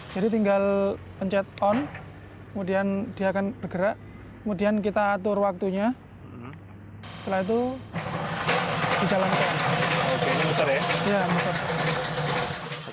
jadi tinggal pencet on kemudian dia akan bergerak kemudian kita atur waktunya setelah itu kita lanjutkan